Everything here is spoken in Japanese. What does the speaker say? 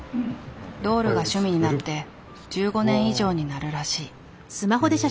ドールが趣味になって１５年以上になるらしい。